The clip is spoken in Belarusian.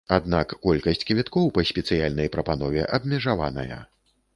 Аднак колькасць квіткоў па спецыяльнай прапанове абмежаваная.